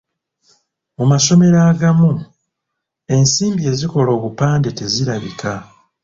Mu masomero agamu, ensimbi ezikola obupande tezirabika.